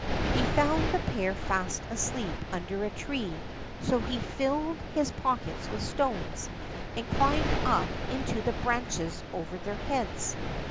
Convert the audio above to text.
He found the pair fast asleep under a tree, so he filled his pockets with stones and climbed up into the branches over their heads.